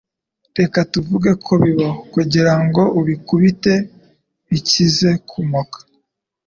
Reka tuvuge ko bibaho kugirango ubikubite bikize kumoko.